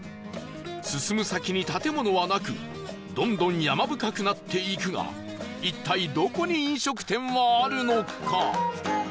進む先に建物はなくどんどん山深くなっていくが一体どこに飲食店はあるのか？